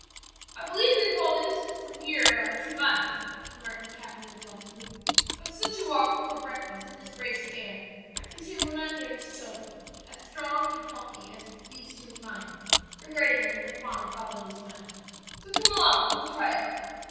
"I believe they call the distance from here about two miles," remarked the captain reflectively; "but such a walk before breakfast in this bracing air I presume will not damage children as strong and healthy as these two of mine," regarding them with a fond, fatherly smile. "So come along, we will try it."